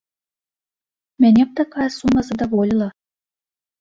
Мяне б такая сума задаволіла.